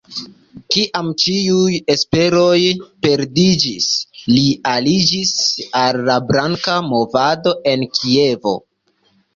Kiam ĉiuj esperoj perdiĝis, li aliĝis al la Blanka movado en Kievo.